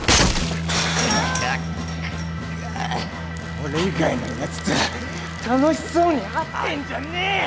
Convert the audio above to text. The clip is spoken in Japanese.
俺以外の奴と楽しそうに会ってんじゃねぇよ！